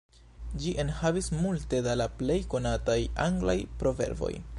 Ĝi enhavis multe da la plej konataj anglaj proverboj.